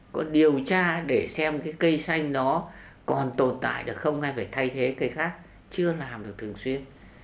cây xanh đó còn tồn tại được không hay phải thay thế cây khác chưa làm được thường xuyên